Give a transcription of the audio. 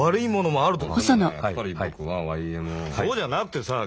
そうじゃなくてさあ